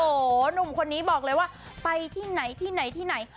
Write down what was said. โอ้โหหนุ่มคนนี้บอกเลยว่าไปที่ไหนที่ไหนที่ไหน